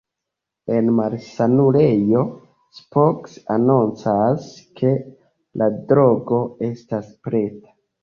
En malsanulejo, Spock anoncas, ke la drogo estas preta.